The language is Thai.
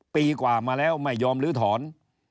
ปีกว่ามาแล้วไม่ยอมลื้อถอน